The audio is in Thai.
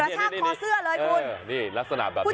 ชากคอเสื้อเลยคุณนี่ลักษณะแบบนี้